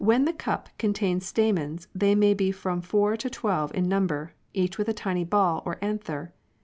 WhcU thc CUp COntainS stamens, they may be from four to twelve in num ber, each with a tiny ball or a^tther.